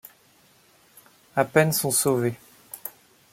À peine sont sauvés.